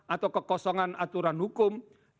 atau kekosongan aturan hukum